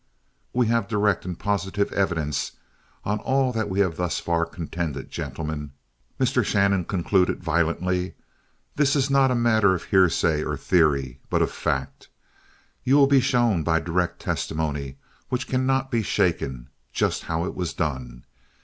"We have direct and positive evidence of all that we have thus far contended, gentlemen," Mr. Shannon concluded violently. "This is not a matter of hearsay or theory, but of fact. You will be shown by direct testimony which cannot be shaken just how it was done.